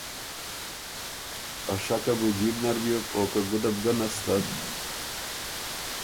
ا شکه بُو جیب نر بیوک او که ګُده بو ګۀ نستک